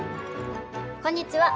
こんにちは。